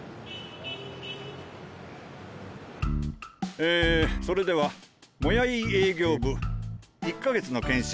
えそれではモヤイー営業部１か月の研修